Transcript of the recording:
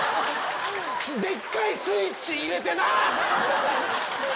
でっかいスイッチ入れてな。